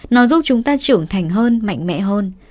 nó giúp chúng ta trưởng thành hơn mạnh mẽ hơn